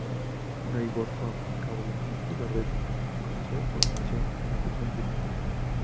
Neighbourhood Cable emite la red con otra programación en la región de Victoria.